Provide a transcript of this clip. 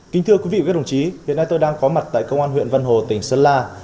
kính thưa quý vị và các đồng chí hiện nay tôi đang có mặt tại công an huyện vân hồ tỉnh sơn la